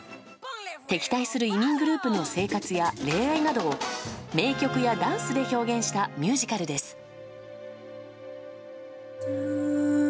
敵対する移民グループの生活や恋愛などを名曲やダンスで表現したミュージカルです。